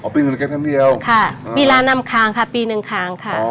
อ๋อเป็นหนึ่งครั้งเดียวค่ะปีล้านน้ำค้างค่ะปีหนึ่งครั้งค่ะ